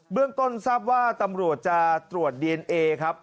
เรื่องต้นทราบว่าตำรวจจะตรวจดีเอนเอครับ